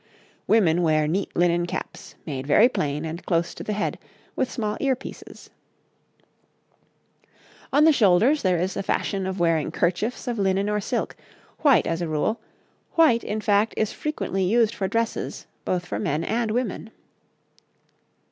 Women wear neat linen caps, made very plain and close to the head, with small ear pieces. [Illustration: {Three men of the time of Mary}] On the shoulders there is a fashion of wearing kerchiefs of linen or silk, white as a rule; white, in fact, is frequently used for dresses, both for men and women.